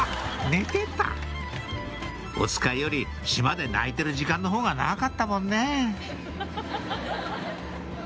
寝てたおつかいより島で泣いてる時間のほうが長かったもんね